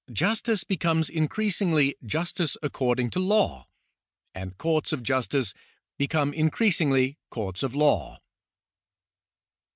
" Justice becomes increasingly justice according to law, and courts of justice become increasingly courts of law.